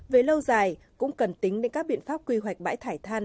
về lâu dài cũng cần tính đến các biện pháp quy hoạch bãi thải than